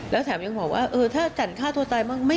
แล้วแถมยังบอกว่าเออถ้าจันฆ่าตัวตายบ้าง